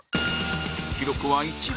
記録は１枚